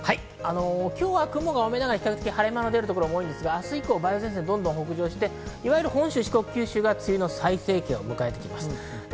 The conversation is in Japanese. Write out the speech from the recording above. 今日は雲が多めながら晴れ間の出る所も多いんですが、明日以降は梅雨前線が北上して、本州、四国、九州が梅雨の最盛期を迎えます。